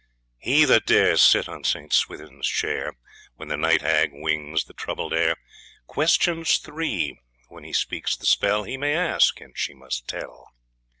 He that dare sit on Saint Swithin's Chair, When the Night Hag wings the troubled air, Questions three, when he speaks the spell, He may ask, and she must tell.